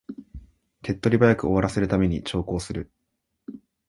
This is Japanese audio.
手っ取り早く終わらせるために長考する